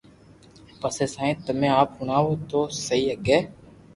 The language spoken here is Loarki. جي سائين تمي آپ ھڻاويو تو سگي ھي